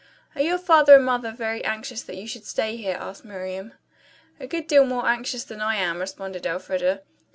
"Are your father and mother very anxious that you should stay here?" asked Miriam. "A good deal more anxious than I am," responded Elfreda.